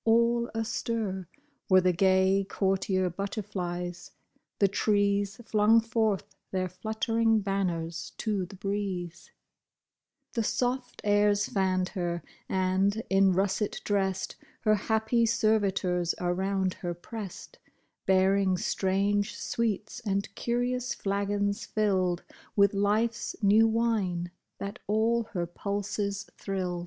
All astir Were the gay, courtier butterflies ; the trees Flung forth their fluttering banners to the breeze ; The soft airs fanned her ; and, in russet dressed, Her happy servitors around her pressed, Bearing strange sweets, and curious flagons filled With life's new wine, that all her pulses thrilled.